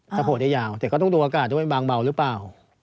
ถ้าโผล่ได้ยาวเดี๋ยวก็ต้องดูอากาศจะเป็นบางเบาหรือเปล่า